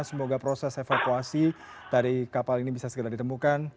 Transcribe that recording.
semoga proses evakuasi dari kapal ini bisa segera ditemukan